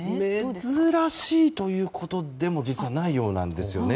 珍しいということでも実はないようなんですよね。